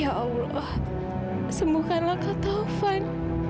ya allah sembuhkanlah ke taufan